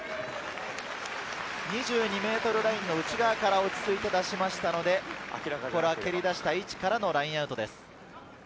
２２ｍラインの内側から落ちついて出しましたので、蹴りだした位置からのラインアウトです。